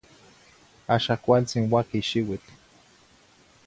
Axan cualtzin uaqui xiuitl